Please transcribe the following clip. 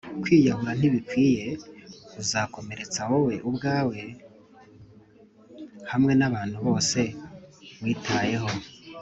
kwiyahura ntibikwiye. uzakomeretsa wowe ubwawe hamwe nabantu bose witayeho.